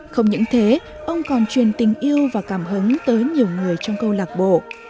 không những thế ông còn truyền tình yêu và cảm hứng tới nhiều người trong câu lạc bộ